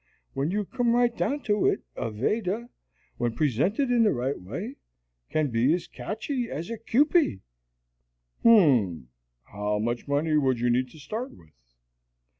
When you come right down to it, a Veda, when presented in the right way, can be as catchy as a Kewpie." "Hm. How much money would you need to start with?"